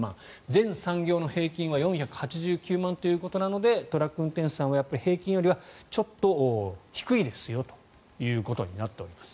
全産業の平均は４８９万ということなのでトラック運転手さんはやっぱり平均よりはちょっと低いですよということになっております。